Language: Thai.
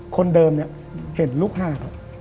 คนเดิมเนี่ยเห็นลูกหาครับ